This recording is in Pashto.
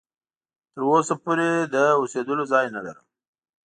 تر اوسه پوري د اوسېدلو ځای نه لرم.